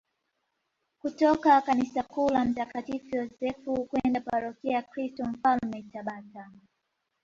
kutoka kanisa kuu la mtakatifu Yosefu kwenda parokia ya Kristo Mfalme Tabata